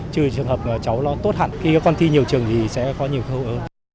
trừ trường hợp cháu nó tốt hẳn khi con thi nhiều trường thì sẽ có nhiều khâu ơ